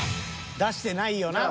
［出してないよな？］